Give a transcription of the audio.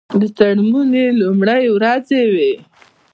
د څوړموني لومړی ورځې وې.